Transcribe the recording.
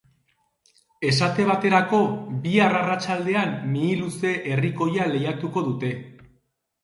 Esate baterako, bihar arratsaldean Mihiluze herrikoia lehiatuko dute.